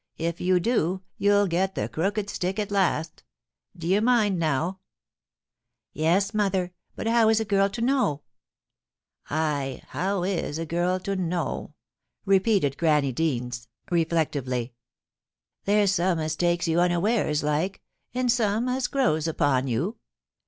If you do, you'll get the crooked stick at last Do ye mind now ?'* Yes, mother ; but how is a girl to know ?'* Ay ! how is a girl to know ?' repeated Grannie Deans, reflectively. * There's some as takes you unawares like, and some as grows upon you.